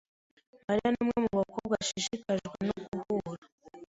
Mariya numwe mubakobwa ashishikajwe no guhura.